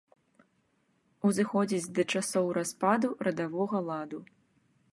Узыходзіць да часоў распаду радавога ладу.